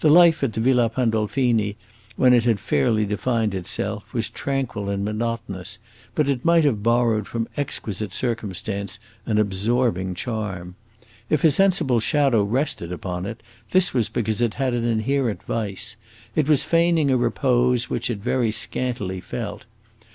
The life at the Villa Pandolfini, when it had fairly defined itself, was tranquil and monotonous, but it might have borrowed from exquisite circumstance an absorbing charm. If a sensible shadow rested upon it, this was because it had an inherent vice; it was feigning a repose which it very scantily felt.